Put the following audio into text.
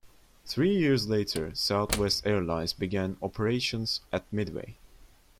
Three years later, Southwest Airlines began operations at Midway.